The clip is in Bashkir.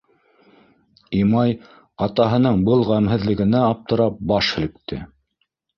Имай атаһының был ғәмһеҙлегенә аптырап баш һелкте.